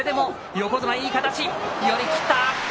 横綱、いい形、寄り切った。